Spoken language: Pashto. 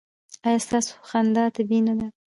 ایا ستاسو خندا طبیعي نه ده؟